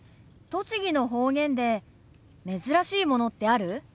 栃木の方言で珍しいものってある？